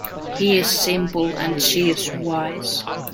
He's simple and she's wise.